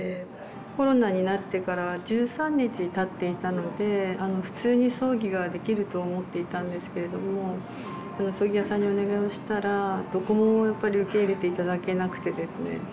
コロナになってから１３日たっていたので普通に葬儀ができると思っていたんですけれども葬儀屋さんにお願いをしたらどこもやっぱり受け入れて頂けなくてですね。